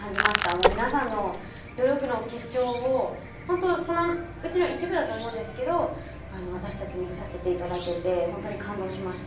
もう皆さんの努力の結晶をほんとそのうちの一部だと思うんですけど私たち見させて頂けてほんとに感動しました。